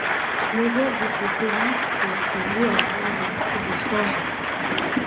Un modèle de cette hélice peut être vu à l'aéroport de Saint-Jean.